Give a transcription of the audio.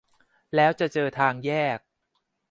แล้วจะเจอทางแยก